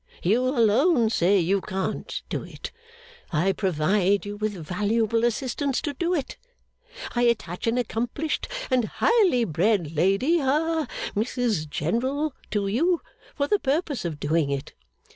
You alone say you can't do it. I provide you with valuable assistance to do it. I attach an accomplished and highly bred lady ha Mrs General, to you, for the purpose of doing it.